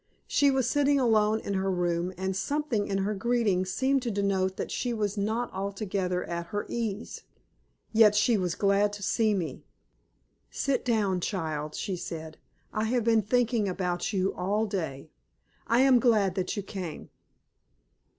She was sitting alone in her room, and something in her greeting seemed to denote that she was not altogether at her ease. Yet she was glad to see me. "Sit down, child," she said. "I have been thinking about you all day. I am glad that you came."